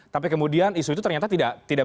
tapi kemudian isu itu ternyata tidak